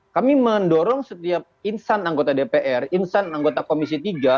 kami mendorong setiap insan anggota dpr insan anggota komisi tiga